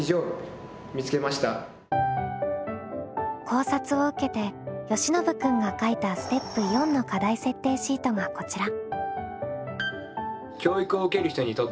考察を受けてよしのぶくんが書いたステップ４の課題設定シートがこちら。